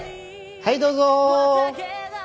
はいどうぞ。